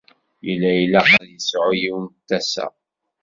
Yella ilaq ad yesεu yiwen tasa.